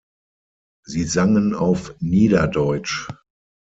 Sie sangen auf Niederdeutsch.